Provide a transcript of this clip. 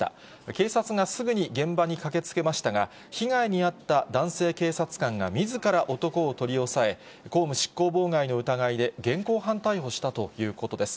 警察がすぐに現場に駆けつけましたが、被害に遭った男性警察官がみずから男を取り押さえ、公務執行妨害の疑いで、現行犯逮捕したということです。